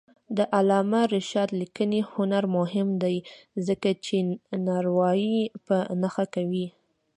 د علامه رشاد لیکنی هنر مهم دی ځکه چې ناروايي په نښه کوي.